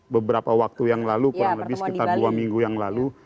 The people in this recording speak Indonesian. beberapa waktu yang lalu kurang lebih sekitar dua minggu yang lalu